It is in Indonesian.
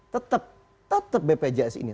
tetap tetap bpjs ini